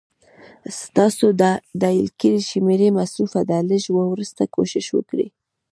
ستاسو ډائل کړې شمېره مصروفه ده، لږ وروسته کوشش وکړئ